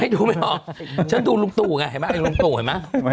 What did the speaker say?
ดูไม่ออกฉันดูลุงตู่ไงเห็นไหมไอลุงตู่เห็นไหม